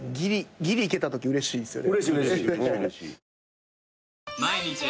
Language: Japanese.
ギリいけたときうれしいっすよね。